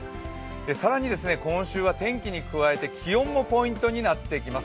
更に今週は天気に加えて気温もポイントになってきます。